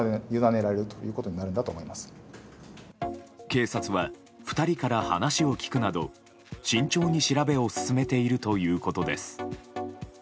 警察は、２人から話を聞くなど慎重に調べを進めているということです。